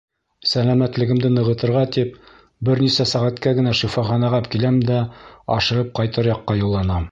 Сәләмәтлегемде нығытырға тип, бер нисә сәғәткә генә шифаханаға киләм дә ашығып ҡайтыр яҡҡа юлланам.